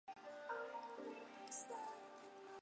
是位于大阪市淀川区的男女共学私立幼儿园。